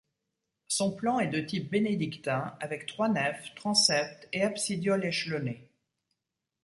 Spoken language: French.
Son plan est de type bénédictin avec trois nefs, transept et absidioles échelonnées.